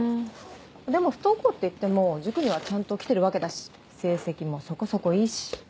でも不登校っていっても塾にはちゃんと来てるわけだし成績もそこそこいいし。